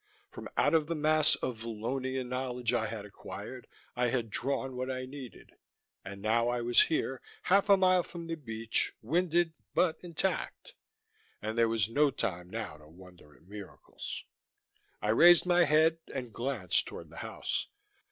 From out of the mass of Vallionan knowledge I had acquired, I had drawn what I needed. And now I was here, half a mile from the beach, winded but intact. But there was no time now to wonder at miracles.... I raised my head and glanced toward the house.